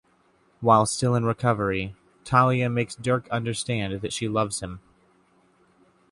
While still in recovery, Talia makes Dirk understand that she loves him.